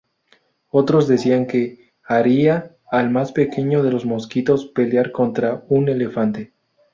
Otros decían que ""haría al más pequeño de los mosquitos pelear contra un elefante"".